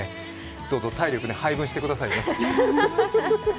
どうぞ体力の配分をしてくださいね。